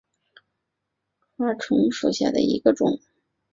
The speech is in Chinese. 甘薯猿金花虫为金花虫科甘薯猿金花虫属下的一个种。